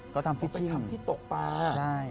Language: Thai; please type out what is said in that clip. ก็ทำฟิชชิงไปทำที่ตกปลาใช่